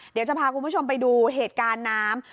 เดี๋ยวจะพาคุณผู้ชมไปดูเหตุการณ์น้ำ